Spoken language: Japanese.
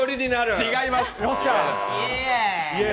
違いますね。